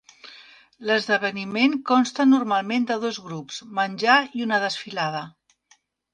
L'esdeveniment consta normalment de dos grups, menjar i una desfilada.